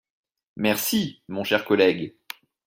Merci, mon cher collègue.